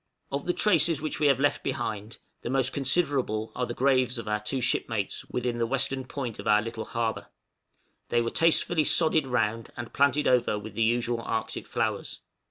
} Of the traces which we have left behind us, the most considerable are the graves of our two shipmates within the western point of our little harbor; they were tastefully sodded round, and planted over with the usual Arctic flowers.